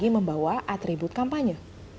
apalagi membawa atribut kampanye